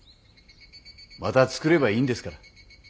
また作ればいいんですから。